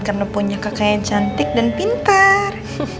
karena punya kakak yang cantik dan pintar